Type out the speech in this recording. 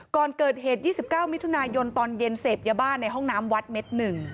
ก่อนเกิดเหตุ๒๙มิถุนายนตอนเย็นเสพยาบ้าในห้องน้ำวัดเม็ด๑